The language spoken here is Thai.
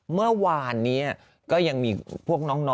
เมื่อวานนี้ก็ยังมีพวกน้อง